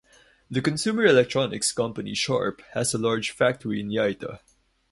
The consumer electronics company Sharp has a large factory in Yaita.